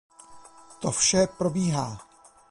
To vše probíhá.